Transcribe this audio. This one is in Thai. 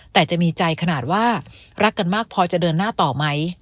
แต่จะมีใจขนาดว่ารักกันมากพอจะเดินหน้าต่อไหม